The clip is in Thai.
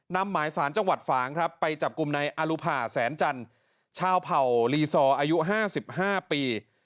นำหมายสารจังหวัดฝางครับไปจับกลุ่มในอรุภาแสนจันทร์ชาวเผ่าลีซอร์อายุ๕๕ปี